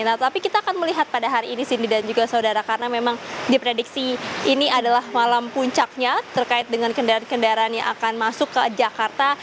nah tapi kita akan melihat pada hari ini cindy dan juga saudara karena memang diprediksi ini adalah malam puncaknya terkait dengan kendaraan kendaraan yang akan masuk ke jakarta